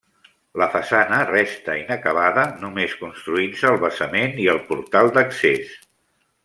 La façana restà inacabada, només construint-se el basament i el portal d'accés.